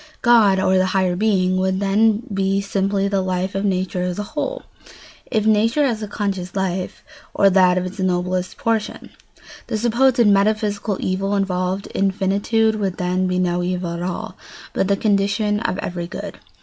God, or the highest being, would then be simply the life of nature as a whole, if nature has a conscious life, or that of its noblest portion. The supposed "metaphysical evil" involved in finitude would then be no evil at all, but the condition of every good.